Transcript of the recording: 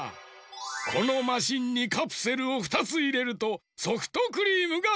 このマシンにカプセルを２ついれるとソフトクリームができるのじゃ！